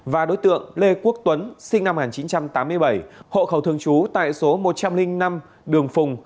và đối tượng lê quốc tuấn sinh năm một nghìn chín trăm tám mươi bảy hộ khẩu thường trú tại số một trăm linh năm đường phùng